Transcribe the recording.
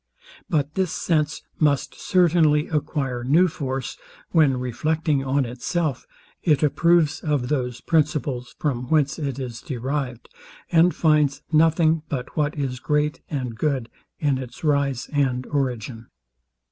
But this sense must certainly acquire new force, when reflecting on itself, it approves of those principles, from whence it is derived, and finds nothing but what is great and good in its rise and origin.